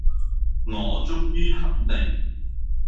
我終於肯定